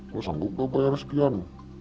lo sanggup gak bayar sekian